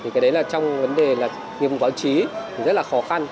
cái đấy là trong vấn đề nghiệp quản trí rất là khó khăn